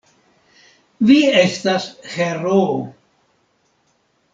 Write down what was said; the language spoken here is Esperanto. Vi estas heroo!